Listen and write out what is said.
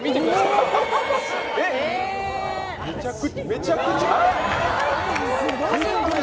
めちゃくちゃ！